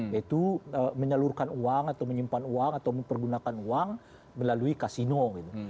yaitu menyalurkan uang atau menyimpan uang atau mempergunakan uang melalui kasino gitu